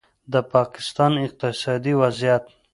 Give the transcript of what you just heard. د پاکستان اقتصادي وضعیت